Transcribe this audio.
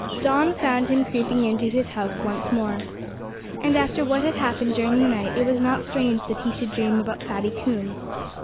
Dawn found him creeping into his house once more. And after what had happened during the night it was not strange that he should dream about Fatty Coon.